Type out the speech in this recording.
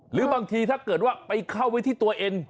หรือบางทีถ้าเกิดว่าไปเข้าไว้ที่ตัวเอง